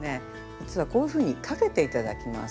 実はこういうふうに掛けて頂きます。